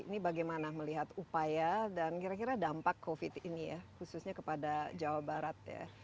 ini bagaimana melihat upaya dan kira kira dampak covid ini ya khususnya kepada jawa barat ya